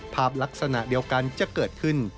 ภาพลักษณะเดียวกันจะเกิดขึ้น